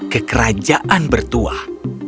ke kerajaan bertuah